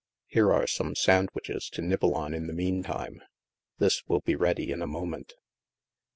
Here are some sandwiches to nibble on, in the meantime. This will be ready in a moment."